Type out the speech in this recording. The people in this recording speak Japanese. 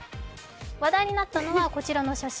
話題になったのは、こちらの写真。